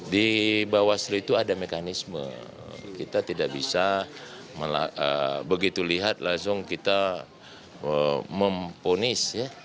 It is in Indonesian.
di bawaslu itu ada mekanisme kita tidak bisa begitu lihat langsung kita memponis ya